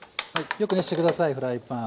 よく熱して下さいフライパン。